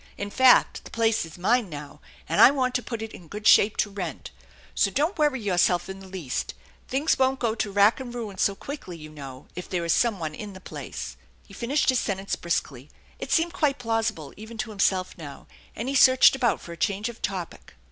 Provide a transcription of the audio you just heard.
In fact, the place is mine now, and I want to put it in good shape to rent. So don't worry yourself in the least Things won't go to wrack and ruin so quickly, you know, if there is someone on the place." He finished his sentence briskly. It seemed quite plausibk even to himself now, and he searched about for a change of topic.